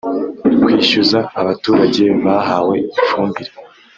kwishyuza abaturage bahawe ifumbire